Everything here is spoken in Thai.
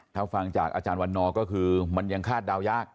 ถ้าฟังจากอาจารย์วันนอร์ก็คือมันยังคาดเดายาก